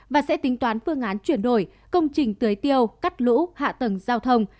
và sẽ tính toán phương án chuyển đổi công trình tưới tiêu cắt lũ hạ tầng giao thông